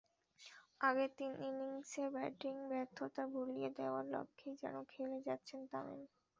আগের তিন ইনিংসের ব্যাটিং ব্যর্থতা ভুলিয়ে দেওয়ার লক্ষ্যেই যেন খেলে যাচ্ছিলেন তামিম।